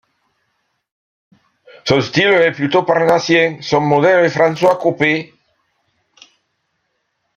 Son style est plutôt parnassien, son modèle est François Coppée.